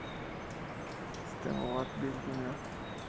Steamboat Bill Jr.